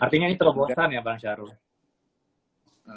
artinya ini terobosan ya mbak syaro